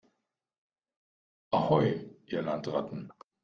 Ahoi, ihr Landratten